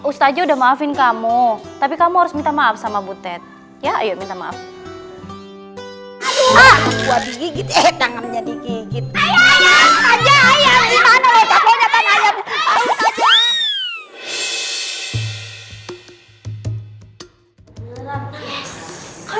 ustaz sudah maafin kamu tapi kamu harus minta maaf sama butet ya ayo minta maaf hai aku